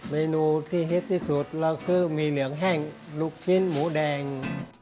เมนูที่ฮิตที่สุดเราคือมีเหลืองแห้งลูกชิ้นหมูแดง